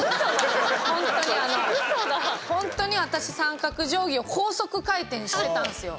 本当に私、三角定規を高速回転していたんですよ。